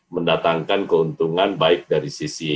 mendatangkan keuntungan baik dari sisi